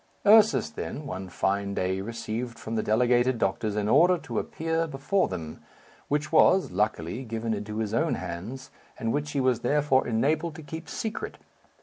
Ursus, then, one fine day received from the delegated doctors an order to appear before them, which was, luckily, given into his own hands, and which he was therefore enabled to keep secret.